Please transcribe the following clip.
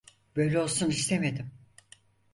Böyle olsun istemedim.